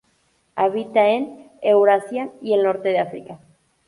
Habita en Eurasia y el norte de África.